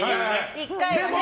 １回はね。